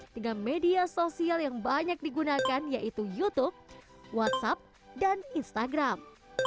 dengan media sosial yang banyak digunakan yaitu youtube whatsapp dan instagram